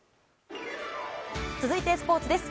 続いて、スポーツです。